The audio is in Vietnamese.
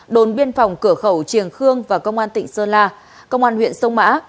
đồn biên phòng cửa khẩu triềng khương và công an tỉnh sơn la công an huyện sông mã